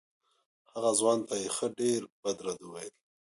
هغه ځوان ته یې ښه ډېر بد رد وویل.